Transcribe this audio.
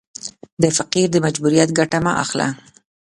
د فقیر د مجبوریت ګټه مه اخله.